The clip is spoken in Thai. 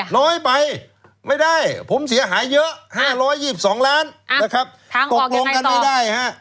น้อยไปไม่ได้ผมเสียหายเยอะ๕๒๒ล้านนะครับตกลงกันไม่ได้ฮะ